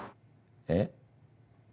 えっ？